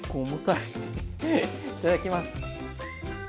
いただきます。